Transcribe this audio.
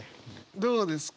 どうですか？